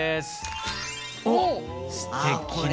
すてきな。